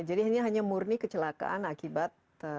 jadi ini hanya murni kecelakaan akibat